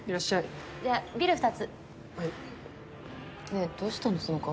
ねえどうしたのその顔。